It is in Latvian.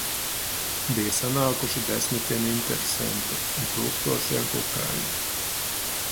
Bija sanākuši desmitiem interesentu un tūkstošiem kukaiņu.